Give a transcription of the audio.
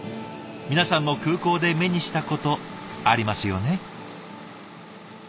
皆さんも空港で目にしたことありますよね？